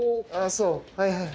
そうはいはい。